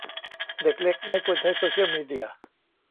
เด็กเล็กไม่ควรใช้โซเชียลมีเดีย